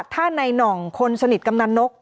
ถ้าในหน่องคนสนิทกำนันนก